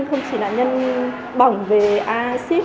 không chỉ nạn nhân bỏng về acid